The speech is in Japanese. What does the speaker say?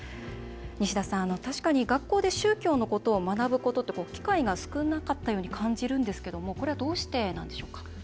西田さん、確かに学校で宗教のことを学ぶことって機会が少なかったように感じるんですけどもこれはどうしてなんでしょうか？